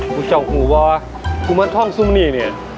กูชอบกูว่าคุณมันท่องสุมนีเนี่ย